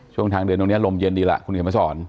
ทางเดินตรงนี้ลมเย็นดีล่ะคุณเขียนมาสอน